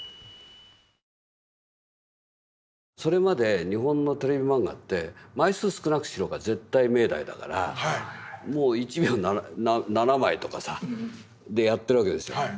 それまで日本のテレビマンガって枚数少なくしろが絶対命題だからもう１秒７枚とかでやってるわけですよ。